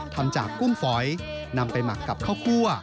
ทำจากกุ้งฝอยนำไปหมักกับข้าวคั่ว